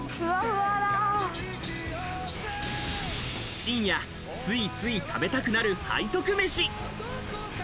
深夜ついつい食べたくなる背徳飯。